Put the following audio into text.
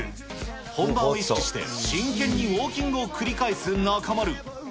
本番を意識して、真剣にウォーキングを繰り返す中丸。